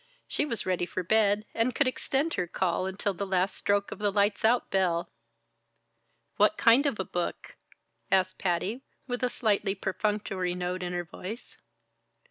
She was ready for bed and could extend her call until the last stroke of the "Lights out" bell. "What kind of a book?" asked Patty with a slightly perfunctory note in her voice.